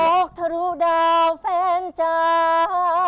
ออกทะลุดาวแฟนจ้า